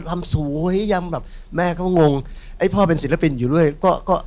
ำสวยยำแบบแม่ก็งงไอ้พ่อเป็นศิลปินอยู่ด้วยก็ก็